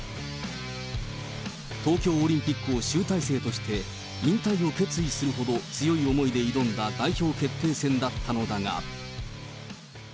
東京オリンピックを集大成として、引退を決意するほど強い思いで挑んだ代表決定戦だったのだが。